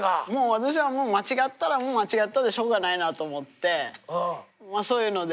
私はもう間違ったら間違ったでしょうがないなと思ってそういうので。